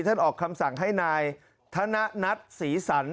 ออกคำสั่งให้นายธนัทศรีสรรค